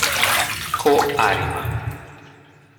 Kō Arima